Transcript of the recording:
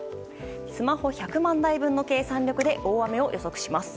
スマホ１００万台分の計算力で大雨を予測します。